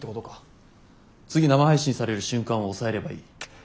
次生配信される瞬間を押さえればいい。